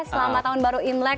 selamat tahun baru imlek